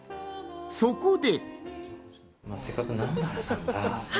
そこで。